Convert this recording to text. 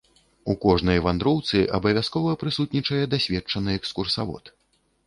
У кожнай вандроўцы абавязкова прысутнічае дасведчаны экскурсавод.